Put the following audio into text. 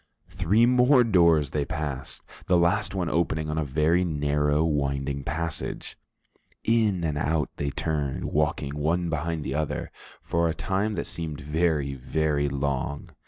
Three more doors they passed, the last one opening on a very narrow, winding passage. In and out they turned, walking one behind the other, for a time that seemed very, very long.